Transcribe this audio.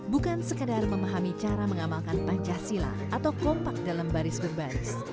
bukan sekadar memahami cara mengamalkan pancasila atau kompak dalam baris berbaris